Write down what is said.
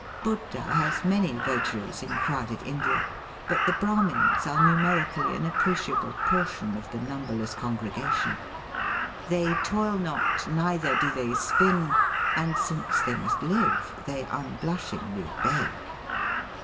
Buddha has many votaries in crowded India ; but the Brahmins are numerically an appreci able portion of the numberless congregation. They toil not, neither do they spin, and since they must live they unblushingly beg.